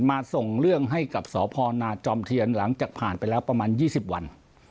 ส่งเรื่องให้กับสพนาจอมเทียนหลังจากผ่านไปแล้วประมาณ๒๐วัน